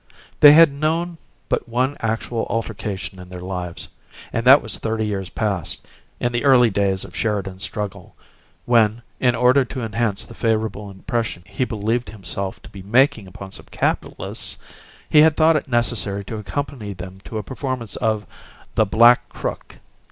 They had known but one actual altercation in their lives, and that was thirty years past, in the early days of Sheridan's struggle, when, in order to enhance the favorable impression he believed himself to be making upon some capitalists, he had thought it necessary to accompany them to a performance of "The Black Crook."